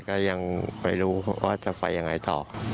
ก็ยังไม่รู้ว่าจะไปยังไงต่อ